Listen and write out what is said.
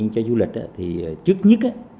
cho du lịch thì trước nhất